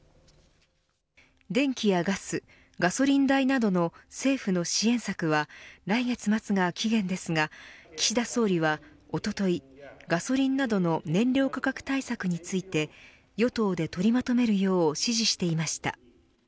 電気やガスガソリン代などの政府の支援策は来月末が期限ですが岸田総理はおとといガソリンなどの燃料価格対策について与党で取りまとめるよう指示していました。